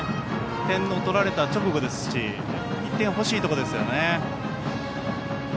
点を取られた直後なので１点欲しいところですね。